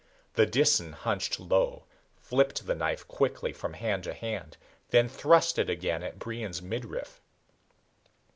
The Disan hunched low, flipped the knife quickly from hand to hand, then thrust it again at Brion's midriff.